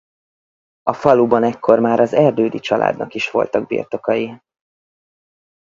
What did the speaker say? A faluban ekkor már az Erdődy családnak is voltak birtokai.